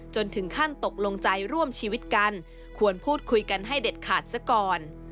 จนถึงขั้นตกลงใจร่วมชีวิตกันควรพูดคุยกันให้เด็ดขาดซะก่อน